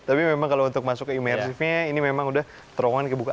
tapi memang kalau untuk masuk ke imersifnya ini memang udah terowongan kebuka